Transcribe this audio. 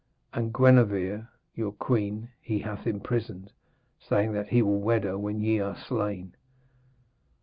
And Gwenevere your queen he hath imprisoned, saying that he will wed her when ye are slain.'